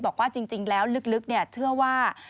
บอกว่าจริงแล้วลึกเชื่อว่า